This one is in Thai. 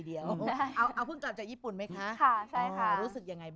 ดังก่อนได้รับตำแหน่ง